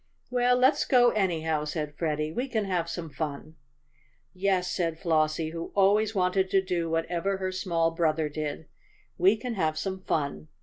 "Well, let's go anyhow," said Freddie. "We can have some fun!" "Yes," said Flossie, who always wanted to do whatever her small brother did, "we can have some fun!"